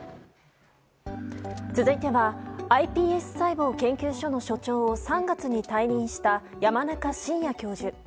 続いては、ｉＰＳ細胞研究所の所長を３月に退任した山中伸弥教授。